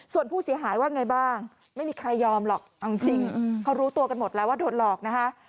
ส่วนผู้เสียหายว่าไงบ้างไม่มีใครยอมหรอกเอาจริงเขารู้ตัวกันหมดแล้วว่าโดนหลอกนะคะ